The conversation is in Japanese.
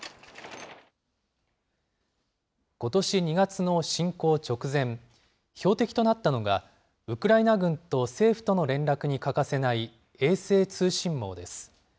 ことし２月の侵攻直前、標的となったのが、ウクライナ軍と政府との連絡に欠かせない衛星通信網です。